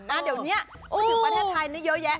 แต่เดี๋ยวนี้ถึงประเทศไทยเยอะแยะ